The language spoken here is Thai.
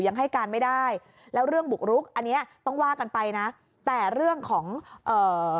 ยังให้การไม่ได้แล้วเรื่องบุกรุกอันเนี้ยต้องว่ากันไปนะแต่เรื่องของเอ่อ